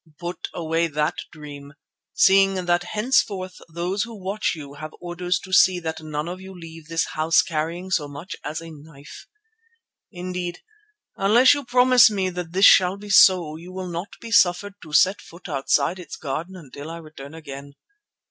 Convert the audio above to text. Put away that dream, seeing that henceforth those who watch you have orders to see that none of you leave this house carrying so much as a knife. Indeed, unless you promise me that this shall be so you will not be suffered to set foot outside its garden until I return again.